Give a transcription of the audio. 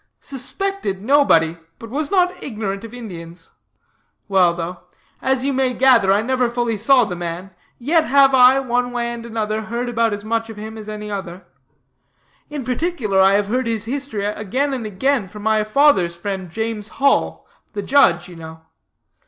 Suspected nobody, but was not ignorant of Indians. Well: though, as you may gather, I never fully saw the man, yet, have I, one way and another, heard about as much of him as any other; in particular, have I heard his history again and again from my father's friend, James Hall, the judge, you know.